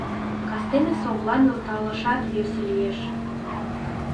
Кастене совла нӧлталашат йӧсӧ лиеш.